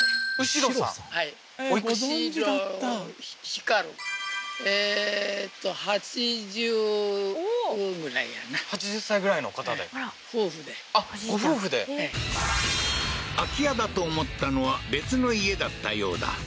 はいえーっと８０歳ぐらいの方であっご夫婦で空き家だと思ったのは別の家だったようだ